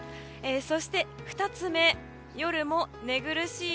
そして２つ目、夜も寝苦しい。